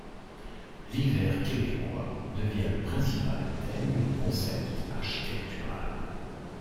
L'hiver québécois devient le principal thème du concept architectural.